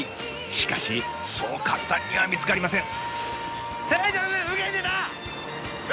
しかしそう簡単には見つかりません。